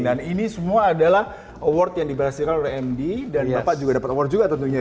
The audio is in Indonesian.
jadi semua adalah award yang dibahasikan oleh amd dan bapak juga dapat award juga tentunya ya